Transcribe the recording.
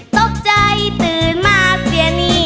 ตกใจตื่นตอนตีสิพอพบทวนเรื่องฟันไอ้ก้าวที่สร้างนี่ก่อน